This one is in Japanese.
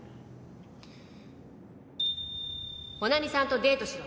「帆奈美さんとデートしろ！」